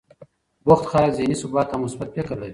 بوخت خلک ذهني ثبات او مثبت فکر لري.